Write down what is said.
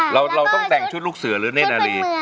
เราต้องแต่งชุดลูกเสือเนทนาลี